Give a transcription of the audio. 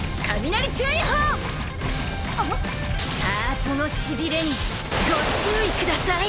ハートのしびれにご注意ください。